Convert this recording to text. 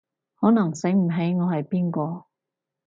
可能醒唔起我係邊個